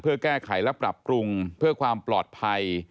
เพื่อแก้ไขและปรับปรุงเพื่อความปลอดภัย